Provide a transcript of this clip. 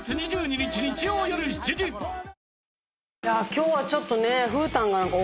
今日はちょっとね。